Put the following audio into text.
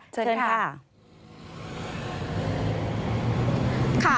เชิญค่ะ